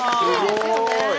すごい！